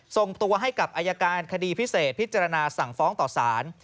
ส่งตัวให้กับอายการคดีพิเศษพิจารณาสั่งฟ้องต่อสาร